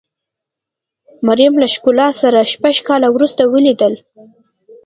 مریم له ښکلا سره شپږ کاله وروسته ولیدل.